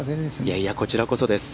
いやいや、こちらこそです。